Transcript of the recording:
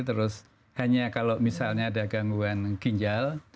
terus hanya kalau misalnya ada gangguan ginjal